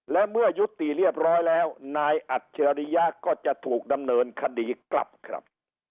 และเมื่อยุติเรียบร้อยแล้วนายอัจฉริยะก็จะถูกดำเนินคดีกลับครับ